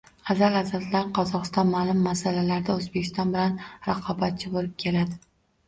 Azal-azaldan Qozogʻiston maʼlum masalalarda Oʻzbekiston bilan raqobatchi boʻlib keladi.